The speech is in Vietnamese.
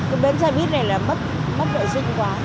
cái bến xe buýt này là mất vệ sinh quá